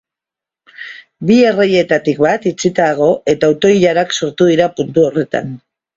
Bi erreietatik bat itxita dago eta auto-ilarak sortu dira puntu horretan.